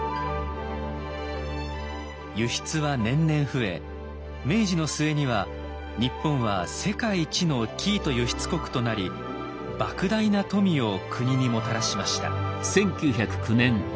輸出は年々増え明治の末には日本は世界一の生糸輸出国となりばく大な富を国にもたらしました。